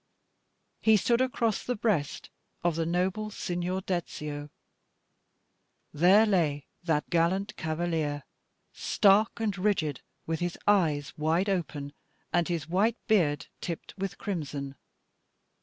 He stood across the breast of the noble Signor Dezio. There lay that gallant cavalier, stark and rigid, with his eyes wide open, and his white beard tipped with crimson.